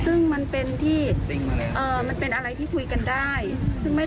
ตายมันพูดไม่ได้แต่แฟนมาพูดกับเราว่าไม่เคยติดหนี้